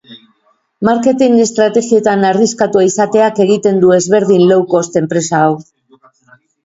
Marketing estrategietan arriskatua izateak egiten du ezberdin low cost enpresa hau.